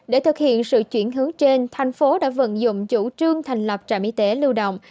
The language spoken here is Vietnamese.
để thực hiện sự chuyển hướng trên thành phố đã vận dụng chủ trương thành lập trạm y tế lưu động